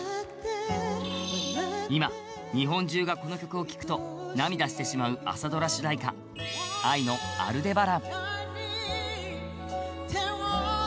今、日本中がこの曲を聴くと涙してしまう朝ドラ主題歌、ＡＩの「アルデバラン」。